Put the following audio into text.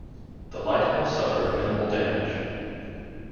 The lighthouse suffered minimal damage.